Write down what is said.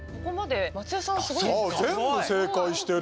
全部正解してる。